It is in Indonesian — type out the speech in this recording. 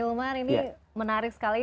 cuman ini menarik sekali